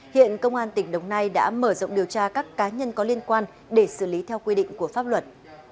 hiện công an tỉnh đồng nai đã mở rộng điều tra các cá nhân có liên quan để xử lý theo quy định của pháp luật